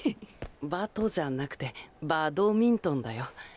バトじゃなくてバ「ド」ミントンだよ。